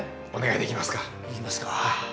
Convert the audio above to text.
いきますか。